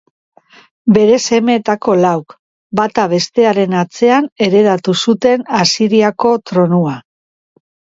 Bere semeetako lauk, bata bestearen atzean heredatu zuten Asiriako tronua.